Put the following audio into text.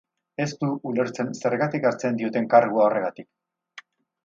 Ez du ulertzen zergatik hartzen dioten kargua horregatik.